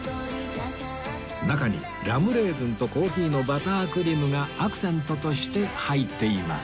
中にラムレーズンとコーヒーのバタークリームがアクセントとして入っています